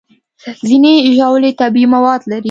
ځینې ژاولې طبیعي مواد لري.